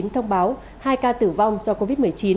thông báo hai ca tử vong do covid một mươi chín